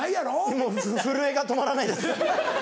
もう震えが止まらないです。